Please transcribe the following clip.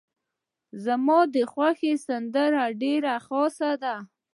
زما ده خوښې سندرې ډيرې خاصې دي.